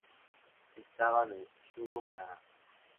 Estaban en Shugo Chara!